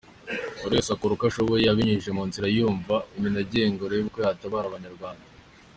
Buri wese akora uko ashoboye abinyujije munzira yumva imunogeye ngo arebe uko yatabara abanyarwanda .